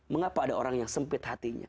mengapa ada orang yang sempit hatinya